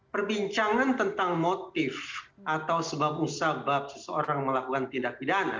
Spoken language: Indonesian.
perbincangan tentang motif atau sebab usaha bab seseorang melakukan tindak pidana